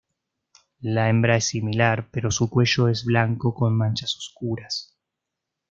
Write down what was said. La hembra es similar, pero su cuello es blanco con manchas oscuras.